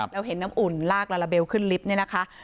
เราเห็นน้ำอุ่นลากลาลาเบลขึ้นลิฟต์เนี่ยนะคะ